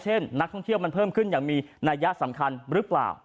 นักท่องเที่ยวมันเพิ่มขึ้นอย่างมีนัยสำคัญหรือเปล่า